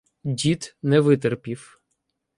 Дід не витерпів.